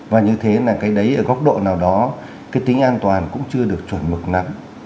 và như thế là cái đấy ở góc độ nào đó cái tính an toàn cũng chưa được chuẩn mực lắm